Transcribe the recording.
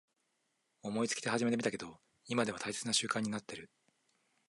思いつきで始めてみたけど今では大切な習慣になってる